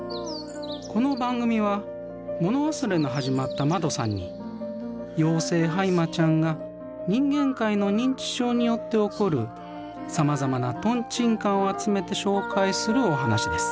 この番組はもの忘れの始まったまどさんに妖精ハイマちゃんが人間界の認知症によって起こるさまざまなトンチンカンを集めて紹介するお話です。